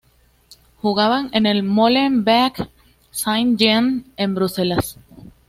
Jugaban en el Molenbeek-Saint-Jean, en Bruselas.